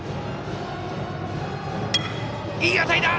いい当たりだ！